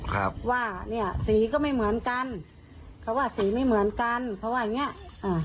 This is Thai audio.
ครับว่าเนี้ยสีก็ไม่เหมือนกันเขาว่าสีไม่เหมือนกันเขาว่าอย่างเงี้ยอ่า